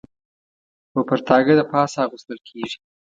پر پرتاګه د پاسه اغوستل کېږي.